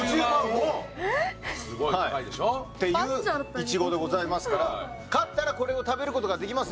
すごい高いでしょ？っていういちごでございますから勝ったらこれを食べる事ができます